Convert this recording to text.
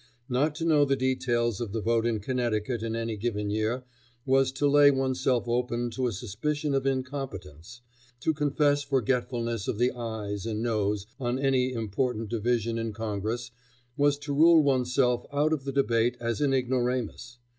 Not to know the details of the vote in Connecticut in any given year was to lay oneself open to a suspicion of incompetence; to confess forgetfulness of the "ayes and noes" on any important division in Congress was to rule oneself out of the debate as an ignoramus.